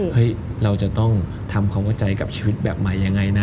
เราจะต้องทำความเข้าใจกับชีวิตแบบใหม่ยังไงนะ